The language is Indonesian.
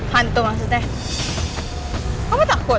hantu maksudnya kamu takut